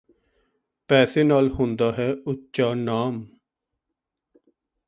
ਪੈਸੇ ਨਾਲ ਹੁੰਦਾ ਏ ਉ¤ਚਾ ਨਾਮ